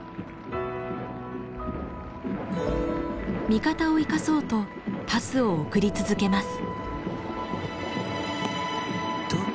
味方を生かそうとパスを送り続けます。